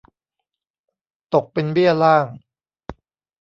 ตกเป็นเบี้ยล่าง